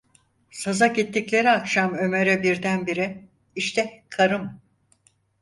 Saza gittikleri akşam Ömer’e birdenbire: "İşte karım!"